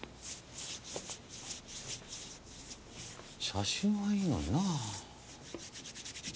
写真はいいのになぁ。